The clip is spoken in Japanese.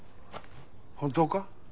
本当か？